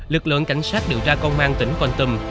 lực lượng cảnh sát điều tra công an tỉnh văn tùm